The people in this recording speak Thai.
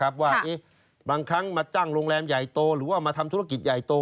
ว่าบางครั้งมาจ้างโรงแรมใหญ่โตหรือว่ามาทำธุรกิจใหญ่โต